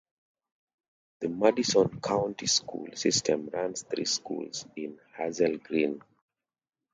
The Madison County School System runs three schools in Hazel Green.